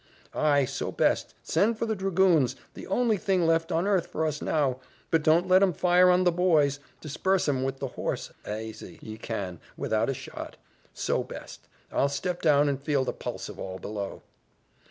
"Ay, so best, send for the dragoons, the only thing left on earth for us now: but don't let 'em fire on the boys disperse 'em with the horse, asy, ye can, without a shot; so best I'll step down and feel the pulse of all below."